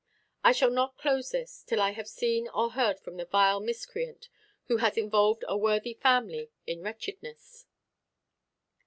I shall not close this till I have seen or heard from the vile miscreant who has involved a worthy family in wretchedness.